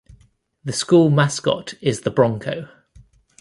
The School Mascot is the Bronco.